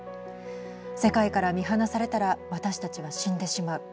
世界から見放されたら私たちは死んでしまう。